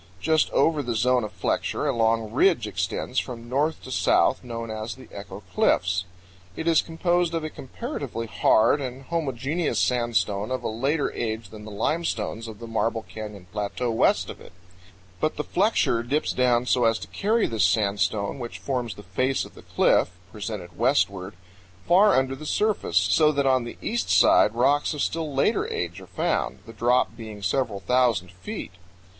Just over the zone of flexure a long ridge extends from north to south, known as the Echo Cliffs. It is composed of a comparatively hard and homogeneous sandstone of a later age than the limestones of the Marble Canyon Plateau west of it; but the flexure dips down so as to carry this sandstone which forms the face of the cliff (presented westward) far under the surface, so that on the east side rocks of still later age are found, the drop being several thousand feet.